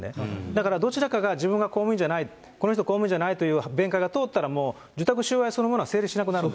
だからどちらかが自分が公務員じゃない、この人、公務員じゃないという主張が通ったら、もう受託収賄そのものは成立しなくなる。